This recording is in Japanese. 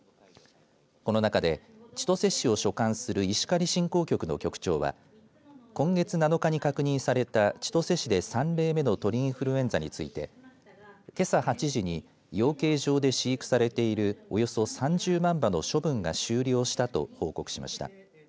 この中で千歳市を所管する石狩振興局の局長は今月７日に確認された千歳市で３例目の鳥インフルエンザについてけさ８時に養鶏場で飼育されているおよそ３０万羽の処分が終了したと報告しました。